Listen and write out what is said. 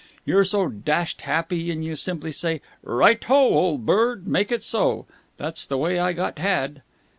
You're so dashed happy you simply say 'Right ho, old bird! Make it so!' That's the way I got had!"